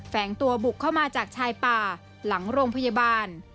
แฝงตัวบุกเข้ามาจากชายป่าหลังโรงพยาบาล